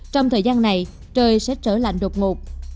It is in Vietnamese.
trong thời gian này trời sẽ trở lạnh đột ngột